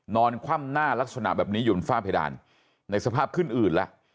คว่ำหน้าลักษณะแบบนี้อยู่บนฝ้าเพดานในสภาพขึ้นอืดแล้ว